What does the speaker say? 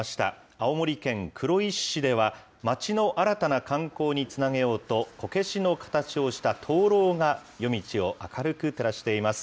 青森県黒石市では、町の新たな観光につなげようと、こけしの形をした灯籠が夜道を明るく照らしています。